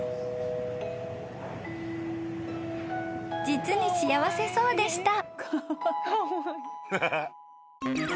［実に幸せそうでした］